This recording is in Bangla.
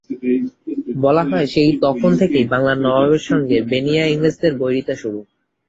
বলা হয়, সেই তখন থেকেই বাংলার নবাবের সঙ্গে বেনিয়া ইংরেজদের বৈরিতা শুরু।